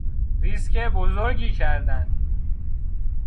ریسک بزرگی کردن